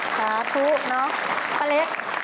สาธุเนอะป้าเล็ก